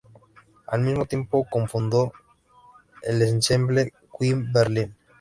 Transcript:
Al mismo tiempo, cofundó el Ensemble Wien-Berlin.